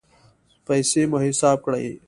پیسې مو حساب کړئ